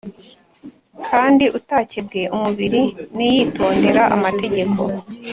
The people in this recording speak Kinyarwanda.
Kandi utakebwe umubiri niyitondera amategeko